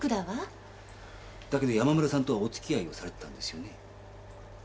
だけど山村さんとはおつきあいをされてたんですよね？